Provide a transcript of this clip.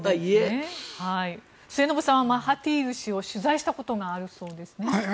末延さんマハティール氏を取材したことがあるそうですね。